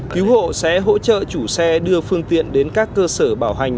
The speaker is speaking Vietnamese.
cứu hộ sẽ hỗ trợ chủ xe đưa phương tiện đến các cơ sở bảo hành